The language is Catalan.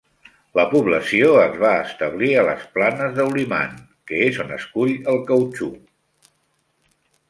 La població es va establir a les planes de Ulliman, que és on es cull el cautxú.